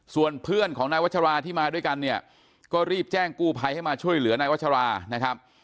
ส่วนเพื่อนของนายวัชราที่มาด้วยกันเนี่ยก็รีบแจ้งกู้ภัยให้มาช่วยเหลือนายวัชรานะครับ